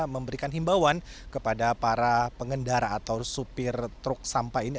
memberikan himbauan kepada para pengendara atau supir truk sampah ini